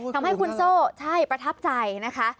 ทำให้คุณโซ่ใช่ประทับใจนะคะ